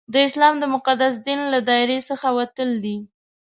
د اسلام د مقدس دین له دایرې څخه وتل دي.